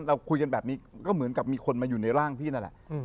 เราคุยกันแบบนี้แบบมีคนมาอยู่ในร่างพี่นั่นแหละ